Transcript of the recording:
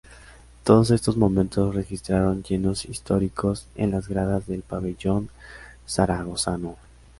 Todos estos momentos registraron llenos históricos en las gradas del pabellón zaragozano.